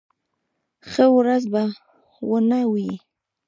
ښه ورځ به و نه وي.